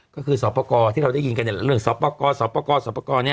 ก็คือสปกที่เราได้ยินกันในเรื่องสปกสปกสปกเนี่ย